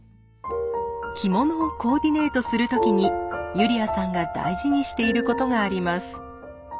着物をコーディネートする時にユリアさんが大事にしていることがあります。